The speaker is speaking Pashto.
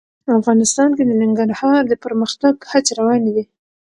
افغانستان کې د ننګرهار د پرمختګ هڅې روانې دي.